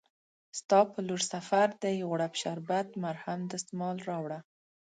ستا په لورسفردي، غوړپ شربت، مرهم، دسمال راوړه